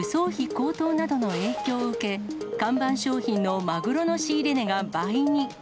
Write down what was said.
高騰などの影響を受け、看板商品のマグロの仕入れ値が倍に。